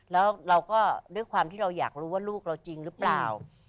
แล้วเราก็ด้วยความที่เราอยากรู้ว่าลูกเราจริงหรือเปล่า